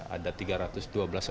ada tiga ratus persen